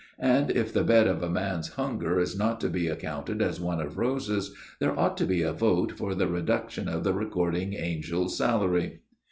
And if the bed of a man's hunger is not to be accounted as one of roses, there ought to be a vote for the reduction of the Recording Angel's salary.